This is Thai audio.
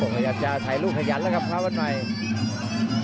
โอ้วเดินเวลาก็ให้ลูกขยันแล้วครับฟ้าวันใหมมาย